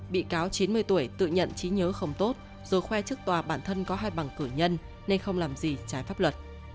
bị cáo chín mươi tuổi tự nhận trí nhớ không tốt rồi khoe trước tòa bản thân có hai bằng cử nhân nên không làm gì trái pháp luật